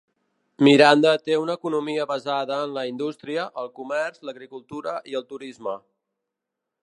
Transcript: Miranda té una economia basada en la indústria, el comerç, l'agricultura i el turisme.